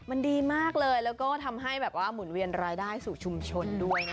มันดีมากเลยแล้วก็ทำให้แบบว่าหมุนเวียนรายได้สู่ชุมชนด้วยนะคะ